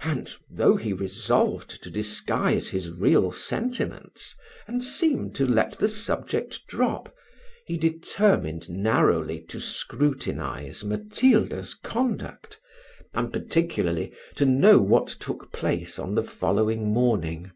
and though he resolved to disguise his real sentiments, and seem to let the subject drop, he determined narrowly to scrutinise Matilda's conduct; and, particularly, to know what took place on the following morning.